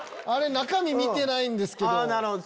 あれ中身見てないんですけど。